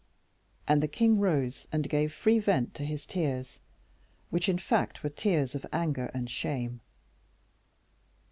And the king rose and gave free vent to his tears, which, in fact, were tears of anger and shame.